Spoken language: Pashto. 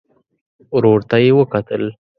ورور ته يې وکتل.